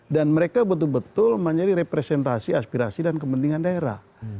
dan mereka betul betul menjadi representasi aspirasi dan kepentingan daerah